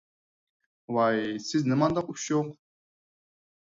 ۋاي سىز نېمانداق ئۇششۇق!